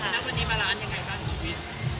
แล้วนักภัณฑ์นี้บารานซ์อย่างไรบ้างชีวิต